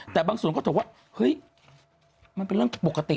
แต่บางส่วนก็ตอบว่าเฮ้ยมันเป็นเรื่องปกติ